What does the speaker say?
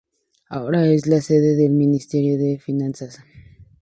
Ahora es la sede del Ministerio de Finanzas.